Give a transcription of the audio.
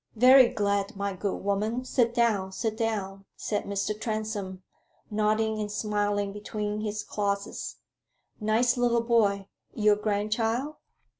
"Very glad, my good woman sit down sit down," said Mr. Transome, nodding and smiling between his clauses. "Nice little boy. Your grandchild?"